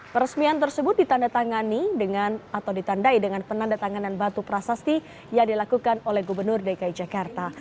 peresmian tersebut ditandai dengan penanda tanganan batu prasasti yang dilakukan oleh gubernur dki jakarta